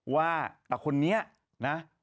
ว่าแต่คนนี้นะ